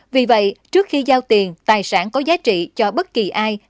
vì vậy trước khi giao tiền tài sản có giá trị cho bất kỳ ai